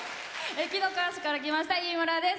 紀の川市から来ましたいいむらです。